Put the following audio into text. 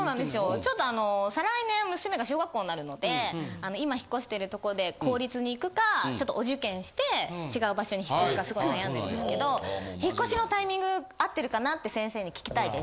ちょっとあの再来年娘が小学校になるので今引越してるとこで公立に行くかちょっとお受験して違う場所に引越すかすごい悩んでるんですけど引越しのタイミングあってるかなって先生に聞きたいです。